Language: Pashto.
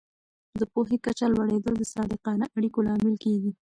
د پوهې کچه لوړېدل د صادقانه اړیکو لامل کېږي.